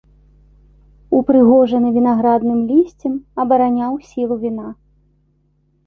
Упрыгожаны вінаградным лісцем абараняў сілу віна.